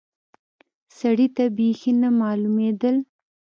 سړي ته بيخي نه معلومېدل.